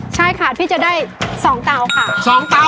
ใช่ค่ะพี่จะได้๒เตาค่ะ๒เตา